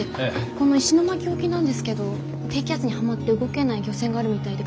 この石巻沖なんですけど低気圧にはまって動けない漁船があるみたいで。